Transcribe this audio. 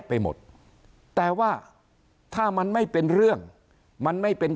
เขาก็ไปร้องเรียน